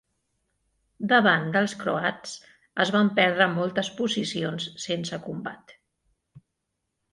Davant els croats es van perdre moltes posicions sense combat.